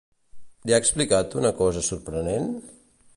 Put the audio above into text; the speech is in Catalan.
Li ha explicat una cosa sorprenent?